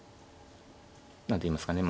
何ていいますかね